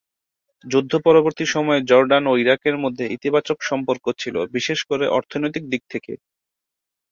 যুদ্ধ পূর্ববর্তী সময়ে জর্ডান ও ইরাকের মধ্যে ইতিবাচক সম্পর্ক ছিল, বিশেষ করে অর্থনৈতিক দিক থেকে।